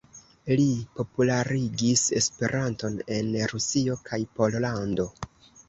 Li popularigis Esperanton en Rusio kaj Pollando.